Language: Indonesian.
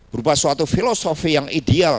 berupa suatu filosofi yang ideal